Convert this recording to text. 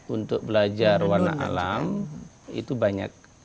untuk belajar warna alam itu banyak